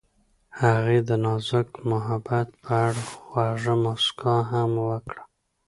هغې د نازک محبت په اړه خوږه موسکا هم وکړه.